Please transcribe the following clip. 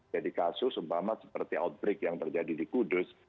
jadi kasus umpama seperti outbreak yang terjadi di kudus